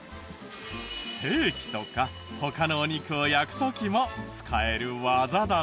ステーキとか他のお肉を焼く時も使える技だそうですよ。